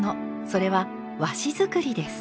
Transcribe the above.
それは和紙作りです。